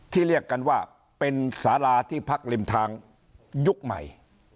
เรียกกันว่าเป็นสาราที่พักริมทางยุคใหม่